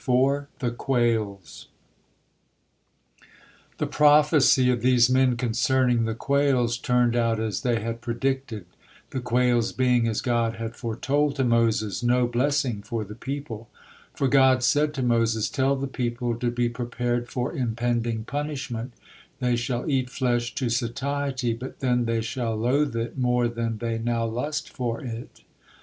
THE QUAILS The prophecy of these men concerning the quails turned out as they had predicted, the quails being, as God had foretold to Moses, no blessing for the people. For God said to Moses: "Tell the people to be prepared for impending punishment, they shall eat flesh to satiety, but then they shall loathe it more than they now lust for it.